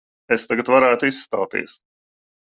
Es tagad varētu izstāties.